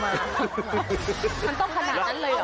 มันต้องขนาดนั้นเลยเหรอ